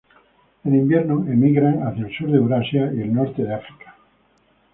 En invierno emigran hacia el sur de Eurasia y el norte de África.